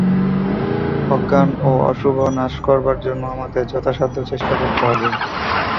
অজ্ঞান ও অশুভ নাশ করবার জন্য আমাদের যথাসাধ্য চেষ্টা করতে হবে।